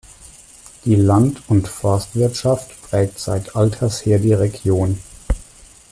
Die Land- und Forstwirtschaft prägt seit alters her die Region.